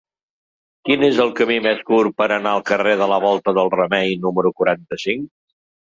Quin és el camí més curt per anar al carrer de la Volta del Remei número quaranta-cinc?